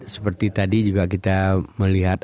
seperti tadi juga kita melihat